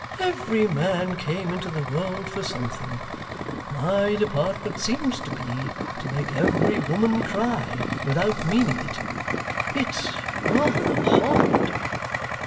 Every man came into the world for something; my department seems to be to make every woman cry without meaning it. It's rather hard!